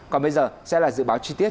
còn bây giờ sẽ là dự báo chi tiết